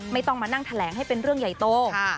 ไม่ต้องมานั่งแถลงให้เป็นเรื่องใหญ่โต